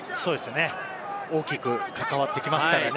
大きく関わってきますからね。